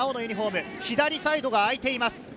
左サイドがあいています。